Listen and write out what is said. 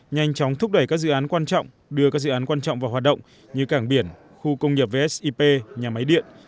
nhanh chóng thúc đẩy các dự án quan trọng đưa các dự án quan trọng vào hoạt động như cảng biển khu công nghiệp vsep nhà máy điện